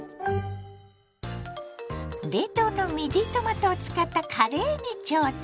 冷凍のミディトマトを使ったカレーに挑戦。